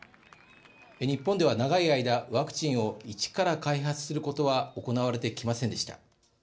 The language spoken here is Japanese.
日本では、長い間、ワクチンを１から開発することは行われてきませんでした。